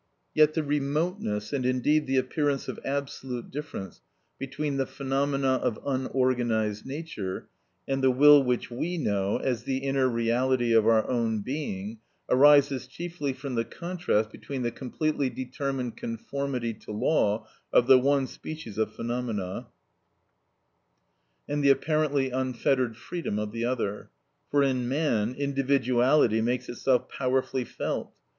Yet the remoteness, and indeed the appearance of absolute difference between the phenomena of unorganised nature and the will which we know as the inner reality of our own being, arises chiefly from the contrast between the completely determined conformity to law of the one species of phenomena, and the apparently unfettered freedom of the other. For in man, individuality makes itself powerfully felt.